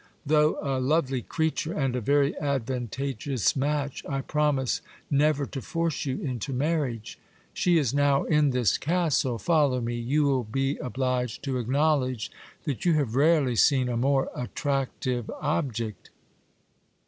Though a lovely creature and a very advantageous match, I promise never to force you into marriage. She is now in this castle. Follow me ; you will be obliged to acknowledge that you have rarely seen a more attractive object.